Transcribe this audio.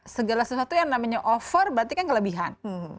segala sesuatu yang namanya over berarti kan kelebihan